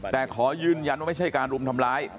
แต่ขอยืนยันว่าไม่ใช่การรุมทำร้าย